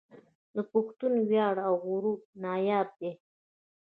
د پښتون وياړ او غرور ناياب دی